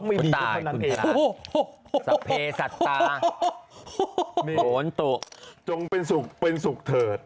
ไม่ดีเท่านั้นเองสะเพสัตว์ตาโหนตุกจงเป็นสุขเป็นสุขเถิด